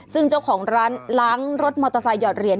ซึ่งเจ้าของร้านล้างรถมอเตอร์ไซค์หอดเหรียญ